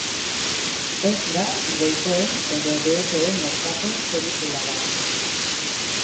Ez da goikoen edo behekoen aurkako pelikula bat.